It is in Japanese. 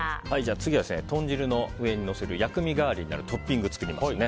次は豚汁の上にのせる薬味代わりになるトッピングを作りますね。